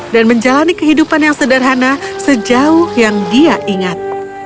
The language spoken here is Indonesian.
dan menjalani kehidupan yang sederhana sejauh yang dia ingat